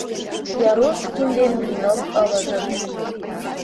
Ярускин ден Блинов ылыжыт.